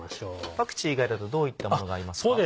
パクチー以外だとどういったものがありますか？